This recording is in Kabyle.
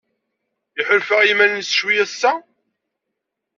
Iḥulfa i yiman-nnes ccwi ass-a?